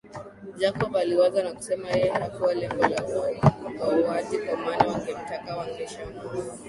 Jacob aliwaza na kusema yeye hakuwa lengo la wauwaji kwa maana wangemtaka wangeshamuua